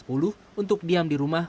untuk diam di rumah